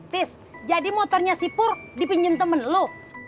tis jadi motornya sipur dipinjam temen lo